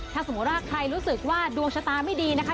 ถ้าสมมุติว่าใครรู้สึกว่าดวงชะตาไม่ดีนะคะ